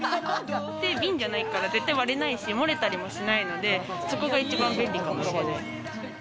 ビンじゃないから絶対割れないし漏れたりもしないのでそこが一番便利かもしれないです。